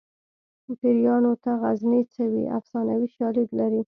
پیریانو ته غزني څه وي افسانوي شالید لري